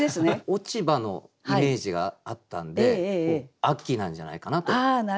落ち葉のイメージがあったんで秋なんじゃないかなと。